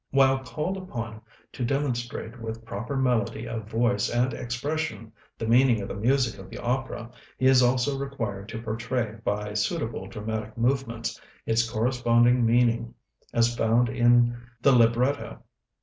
While called upon to demonstrate with proper melody of voice and expression the meaning of the music of the opera, he is also required to portray by suitable dramatic movements its corresponding meaning as found in the libretto.